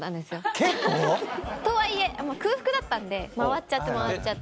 結構⁉とはいえ空腹だったんで回っちゃって回っちゃって。